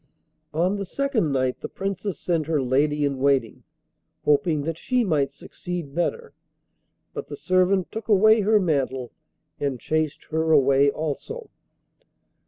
On the second night the Princess sent her lady in waiting, hoping that she might succeed better, but the servant took away her mantle and chased her away also.